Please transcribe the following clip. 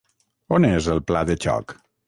On és el pla de xoc?